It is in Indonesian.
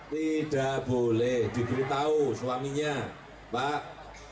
tidak boleh diberitahu suaminya pak